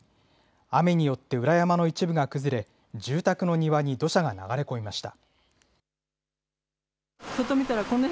雨によって裏山の一部が崩れ、住宅の庭に土砂が流れ込みました。